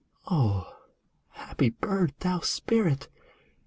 O, happy bird, thou spirit